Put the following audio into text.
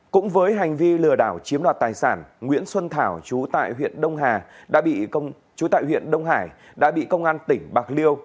cũng với hành vi lừa đảo chiếm đoạt tài sản nguyễn xuân thảo chú tại huyện đông hải đã bị công an tỉnh bạc liêu